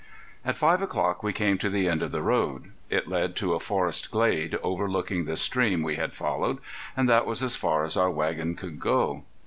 At five o'clock we came to the end of the road. It led to a forest glade, overlooking the stream we had followed, and that was as far as our wagon could go.